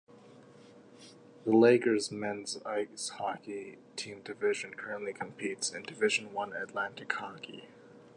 The Lakers men's ice hockey team currently competes in Division One Atlantic Hockey.